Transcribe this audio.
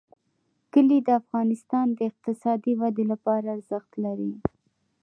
کلي د افغانستان د اقتصادي ودې لپاره ارزښت لري.